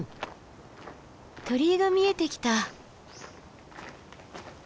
鳥居が見えてきた。